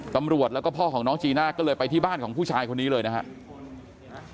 ตำรวจแล้วก็พ่อของน้องจีน่าก็เลยไปที่บ้านของผู้ชายคนนี้เลยนะครับ